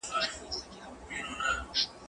کېدای شي زه سبا درس ولولم!.